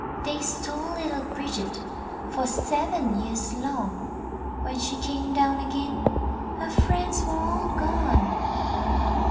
They stole little Bridget For seven years long; RAINBOW GOLD When she came down again Her friends were all gone.